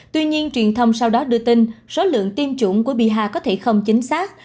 tuy nhiên truyền thông sau đó đưa tin số lượng tiêm chủng của biaha có thể không chính xác